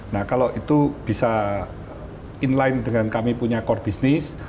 nah kalau itu bisa inline dengan kami punya core business